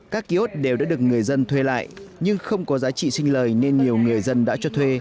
các ký ốt đều đã được người dân thuê lại nhưng không có giá trị sinh lời nên nhiều người dân đã cho thuê